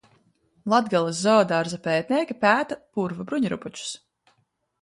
Latgales zoodārza pētnieki pēta purva bruņurupučus.